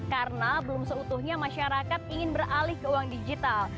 karena belum seutuhnya masyarakat ingin beralih ke uang digital